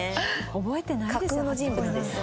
覚えてないですよ